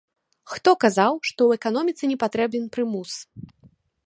Хто казаў, што ў эканоміцы не патрэбен прымус?